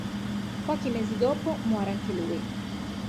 Pochi mesi dopo muore anche lui.